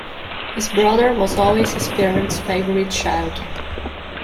His brother was always his parents favourite child.